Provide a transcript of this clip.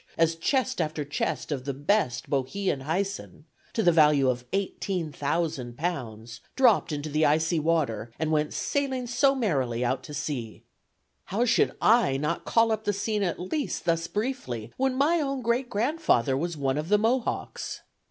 as chest after chest of best Bohea and Hyson (to the value of eighteen thousand pounds) dropped into the icy water, and went "sailing so merrily out to sea." How should I not call up the scene at least thus briefly, when my own great grandfather was one of the Mohawks?